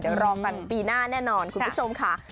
เดี๋ยวรอกันปีหน้าแน่นอนคุณผู้ชมค่ะ